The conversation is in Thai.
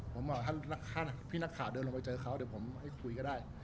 ผมบอกถ้าพี่นักข่าวเดินลงไปเจอเขาเดี๋ยวผมให้คุยก็ได้